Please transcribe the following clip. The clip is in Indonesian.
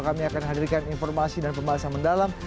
kami akan hadirkan informasi dan pembahasan mendalam